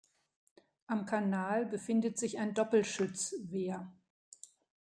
Am Kanal befindet sich ein Doppelschütz-Wehr.